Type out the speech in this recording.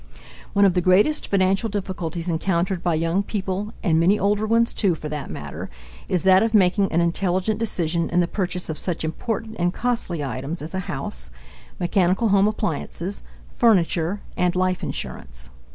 One of the greatest financial difficulties encountered by young people (and many older ones, too, for that matter) is that of making an intelligent decision in the purchase of such important and costly items as a house, mechanical home appliances, furniture, and life insurance.